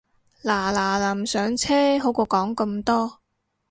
嗱嗱臨上車好過講咁多